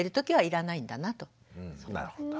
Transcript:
なるほど。